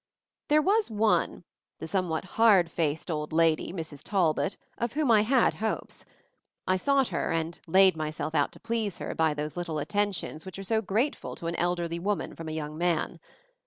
There was one, the somewhat hard faced old lady, Mrs. Talbot, of whom I had hopes. I sought her, and laid myself out to please her by those little attentions which are so grateful to an elderly woman from a young man.